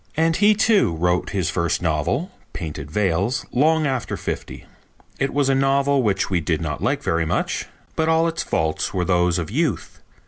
And he, too, wrote his first novel, Painted Veils, long after fifty. It was a novel which we did not like very much, but all its faults were those of youth.